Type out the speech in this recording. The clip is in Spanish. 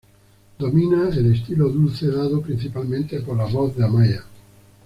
Domina el estilo dulce dado principalmente por la voz de Amaia.